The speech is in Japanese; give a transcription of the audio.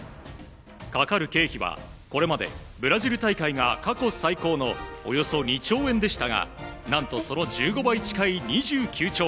かかる経費はこれまでブラジル大会が過去最高のおよそ２兆円でしたが何と、その１５倍近い２９兆